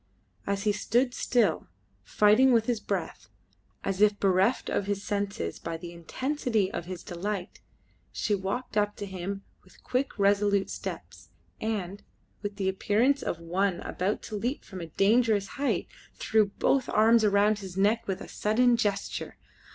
As he stood still, fighting with his breath, as if bereft of his senses by the intensity of his delight, she walked up to him with quick, resolute steps, and, with the appearance of one about to leap from a dangerous height, threw both her arms round his neck with a sudden gesture.